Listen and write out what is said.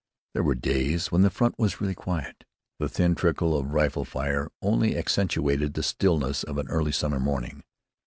There were days when the front was really quiet. The thin trickle of rifle fire only accentuated the stillness of an early summer morning.